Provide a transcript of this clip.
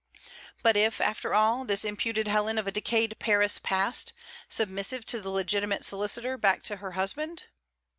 But if, after all, this imputed Helen of a decayed Paris passed, submissive to the legitimate solicitor, back to her husband?